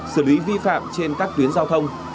xử lý vi phạm trên các tuyến giao thông